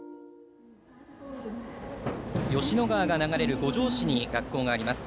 吉野川が流れる五條市に学校があります。